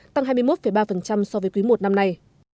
tăng hai mươi một ba so với quý i năm nay